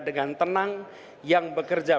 dengan tenang yang bekerja